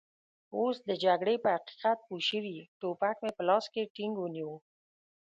اوس د جګړې په حقیقت پوه شوي، ټوپک مې په لاس کې ټینګ ونیو.